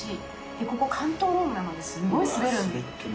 でここ関東ロームなのですごい滑るんです。